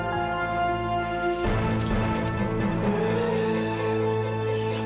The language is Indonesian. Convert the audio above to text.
kamu udah tahu selama itu